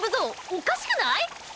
おかしくない！？